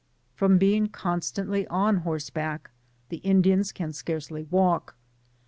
From being constantly on horseback, the Indians can scarcely walk.